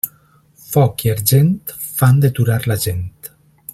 Foc i argent fan deturar la gent.